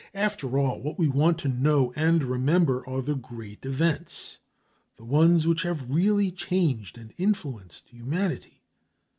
After all, what we want to know and remember are the Great Events, the ones which have really changed and influenced humanity.